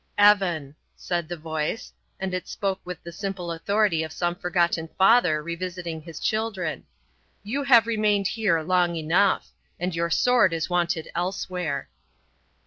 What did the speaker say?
"Evan," said the voice, and it spoke with the simple authority of some forgotten father revisiting his children, "you have remained here long enough, and your sword is wanted elsewhere."